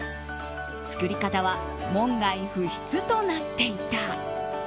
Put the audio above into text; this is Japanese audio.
作り方は門外不出となっていた。